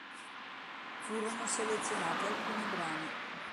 Furono selezionati alcuni brani.